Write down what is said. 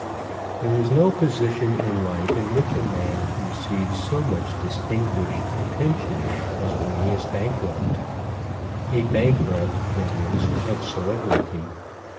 There is no position in life in which a man receives so much distinguished attention as when he is a bankrupt, a bankrupt, that is, of celebrity.